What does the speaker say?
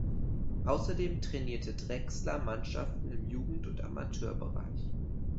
Außerdem trainierte Drexler Mannschaften im Jugend- und Amateurbereich.